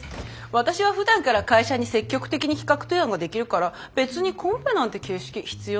私はふだんから会社に積極的に企画提案ができるから別にコンペなんて形式必要ないんだけどね。